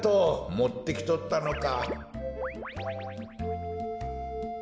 もってきとったのか。